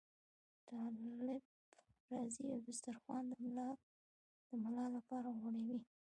طالب راځي او دسترخوان د ملا لپاره غوړوي.